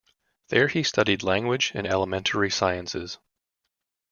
There he studied language and elementary sciences.